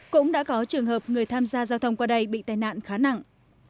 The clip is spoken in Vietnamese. cũng đã có trường hợp người tham gia giao thông qua đây bị tai nạn khá nặng